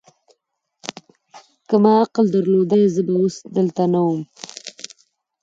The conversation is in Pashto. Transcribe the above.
که ما عقل درلودای، زه به اوس دلته نه ووم.